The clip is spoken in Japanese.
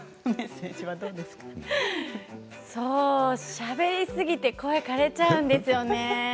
しゃべりすぎて声、かれちゃうんですよね。